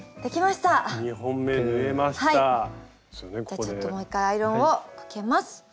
またちょっともう１回アイロンをかけます。